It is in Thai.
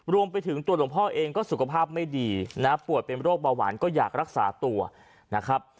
รวมไปถึงตัวหลวงพ่อเองก็สุขภาพไม่ดีนะปวดเป็นโรคเบาหวานก็อยากรักษาตัวนะครับ